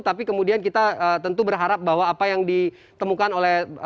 tapi kemudian kita tentu berharap bahwa apa yang ditemukan oleh